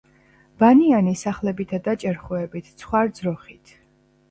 ბანიანი სახლებითა და ჭერხოებით. ცხვარ-ძროხით